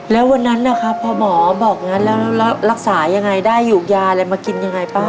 แล้ววันนั้นนะครับพอหมอบอกงั้นแล้วรักษายังไงได้หยุกยาอะไรมากินยังไงป้า